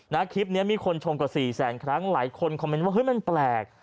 คลิปนี้มีคนชมกว่าสี่แสนครั้งหลายคนคอมเมนต์ว่าเฮ้ยมันแปลก